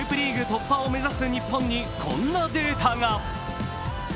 突破を目指す日本にこんなデータが。